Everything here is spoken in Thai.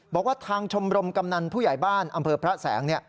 บอกว่าทางชมรมกำนันผู้ใหญ่บ้านอำเภอพระแสง